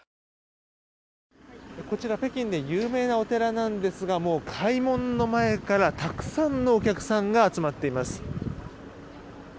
こちら北京で有名なお寺なんですがもう開門の前からたくさんのお客さんが集まっています。